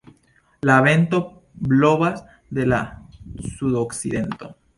La vento blovas de la sudokcidento.